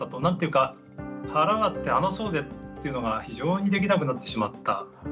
何ていうか腹割って話そうぜっていうのが非常にできなくなってしまった。